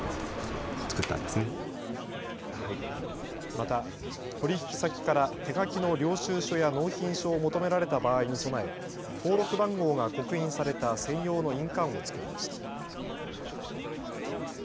また取引先から手書きの領収書や納品書を求められた場合に備え登録番号が刻印された専用の印鑑を作りました。